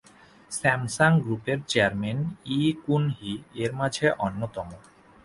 Samsung গ্রুপের chairman Lee Kun hee এর মাঝে অন্যতম।